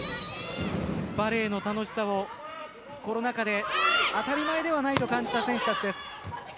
バレーの楽しさをコロナ禍で当たり前ではないと感じた選手たちです。